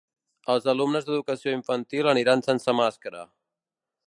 Els alumnes d’educació infantil aniran sense màscara.